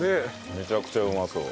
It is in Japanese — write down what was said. めちゃくちゃうまそう。